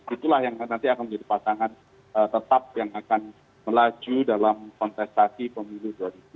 itulah yang nanti akan menjadi pasangan tetap yang akan melaju dalam kontestasi pemilu dua ribu dua puluh